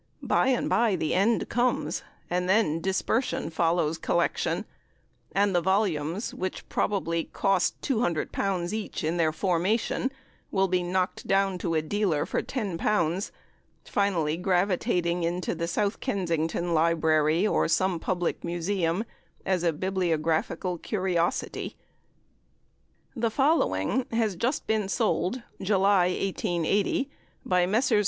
By and by the end comes, and then dispersion follows collection, and the volumes, which probably Cost L200 each in their formation, will be knocked down to a dealer for L10, finally gravitating into the South Kensington Library, or some public museum, as a bibliographical curiosity. The following has just been sold (July, 1880) by Messrs.